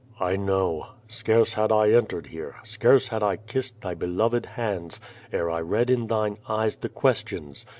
"I know. Scarce had I entered here, scarce had I kissed thy beloved hands, ere I read in thine eyes the questions.